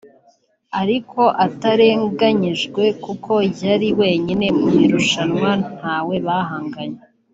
ariko atarenganyijwe kuko yari wenyine mu irushanwa ntawe bahanganye